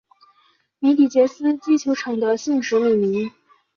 米底捷斯基球场的姓氏命名。